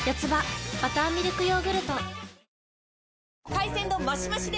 海鮮丼マシマシで！